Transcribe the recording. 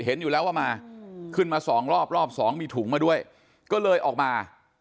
เห็นอยู่แล้วว่ามาขึ้นมาสองรอบรอบสองมีถุงมาด้วยก็เลยออกมา